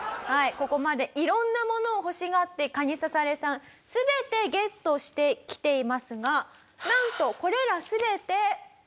ここまで色んなものを欲しがってカニササレさん全てゲットしてきていますがなんとこれら全て。